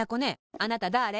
あなただれ？